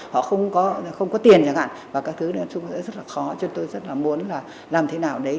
họ không có tiền chẳng hạn và các thứ đó rất là khó cho tôi rất là muốn là làm thế nào đấy